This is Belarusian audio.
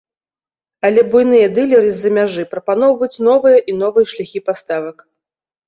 Але буйныя дылеры з-за мяжы прапаноўваюць новыя і новыя шляхі паставак.